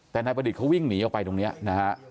แต่นายประดิษฐ์เขาวิ่งหนีออกไปตรงนี้นะฮะ